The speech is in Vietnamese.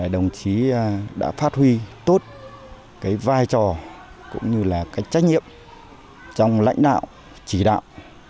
đồng chí đã phát huy tốt cái vai trò cũng như là cái trách nhiệm trong lãnh đạo chỉ đạo